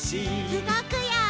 うごくよ！